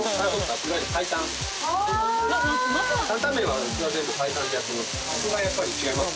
白湯、担々麺はうちは全部、白湯でやってます。